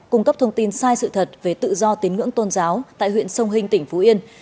cung cấp thông tin sai sự thật về tự do tín ngưỡng tôn giáo tại huyện sông hinh tỉnh phú yên